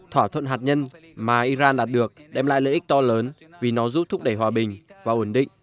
thỏa thuận hạt nhân mà iran đạt được đem lại lợi ích to lớn vì nó giúp thúc đẩy hòa bình và ổn định